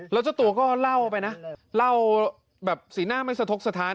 แล้วเจ้าตัวก็เล่าไปนะเล่าแบบสีหน้าไม่สะทกสถาน